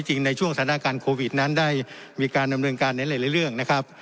ในช่วงสถานการณ์โควิดนั้นได้มีการดำเนินการในหลายเรื่องนะครับ